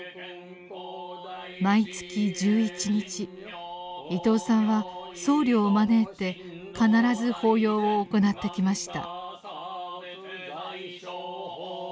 毎月１１日伊東さんは僧侶を招いて必ず法要を行ってきました。